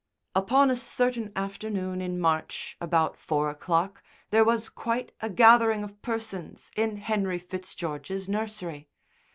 Upon a certain afternoon in March about four o'clock, there was quite a gathering of persons in Henry Fitzgeorge's nursery.